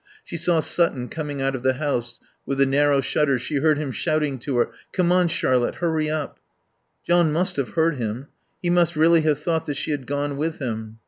She saw Sutton coming out of the house with the narrow shutters; she heard him shouting to her, "Come on, Charlotte, hurry up!" John must have heard him. He must really have thought that she had gone with him.